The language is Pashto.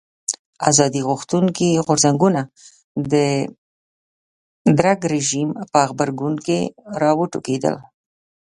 ازادي غوښتونکي غورځنګونه د درګ رژیم په غبرګون کې راوټوکېدل.